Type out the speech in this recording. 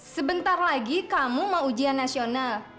sebentar lagi kamu mau ujian nasional